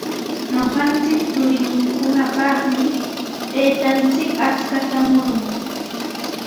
Ñuqanchik churinkunapaqmi taytanchik achkata murun.